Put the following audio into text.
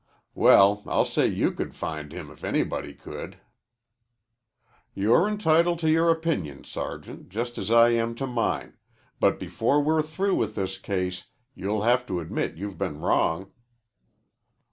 "Well, I'll say you could find him if anybody could." "You're entitled to your opinion, sergeant, just as I am to mine, but before we're through with this case you'll have to admit you've been wrong."